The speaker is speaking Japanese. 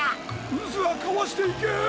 うずはかわしていけ！